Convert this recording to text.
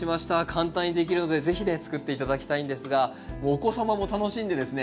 簡単にできるので是非ねつくって頂きたいんですがお子様も楽しんでですね